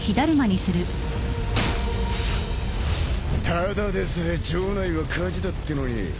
ただでさえ城内は火事だってのに。